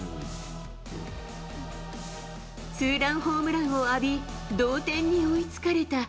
ツーランホームランを浴び、同点に追いつかれた。